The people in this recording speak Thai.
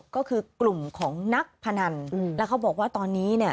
ก็คือกลุ่มของนักพนันแล้วเขาบอกว่าตอนนี้เนี่ย